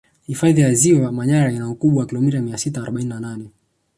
hfadhi ya ziwa manyara ina ukubwa wa kilomita mia sita arobaini na nane